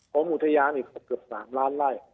อุทยานอีกเกือบ๓ล้านไล่